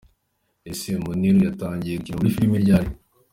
Ese Muniru yatangiye gukina muri filime ryari?.